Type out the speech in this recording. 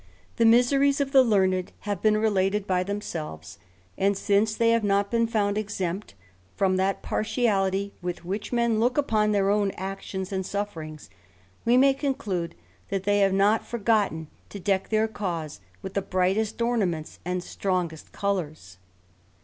The miseries of the learned have been related by themselves ; and since tbcy have not been found exempt from that partiaUty with which men look upon their own actions and sufferings, we may conclmle that they have not forgotten to deck their cause with the brightest ornaments and strongest colours.